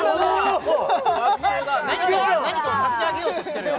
何かを何かを差し上げようとしてるよ